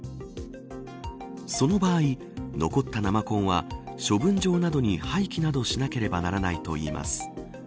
その場合、残った生コンは処分場などに廃棄などしなければならないといいます。